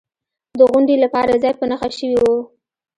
د غونډې لپاره ځای په نښه شوی و.